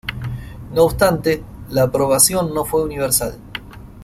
No obstante, la aprobación no fue universal.